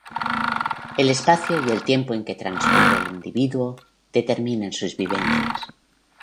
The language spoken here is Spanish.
El espacio y el tiempo en que transcurre el individuo determinan sus vivencias.